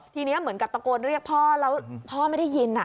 ทีนี้เหมือนกับตะโกนเรียกพ่อแล้วพ่อไม่ได้ยิน